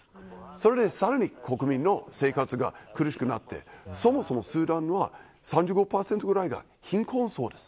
それでさらに国民の生活が苦しくなってそもそもスーダンは３５％ぐらいが貧困層です。